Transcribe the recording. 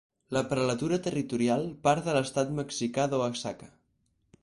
La prelatura territorial part de l'estat mexicà d'Oaxaca.